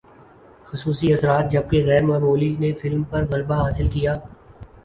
خصوصی اثرات جبکہ غیر معمولی نے فلم پر غلبہ حاصل کیا